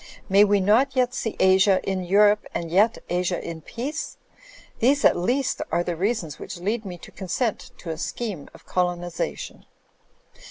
May we not yet see Asia in Eu rope and yet Asia in peace? These at least are the reasons which lead me to consent to a scheme of colonisation."